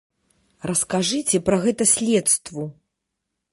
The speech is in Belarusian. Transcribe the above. Раскажыце пра гэта следству.